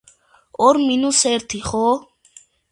ორ მინუს ერთი, ხო?